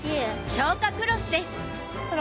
消火クロスです蒼空。